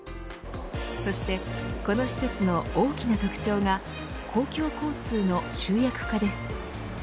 そして、この施設の大きな特徴が公共交通の集約化です。